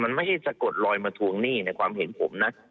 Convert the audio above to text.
มันไม่ใช่สะกดลอยมาทวงหนี้ในความเห็นผมนะ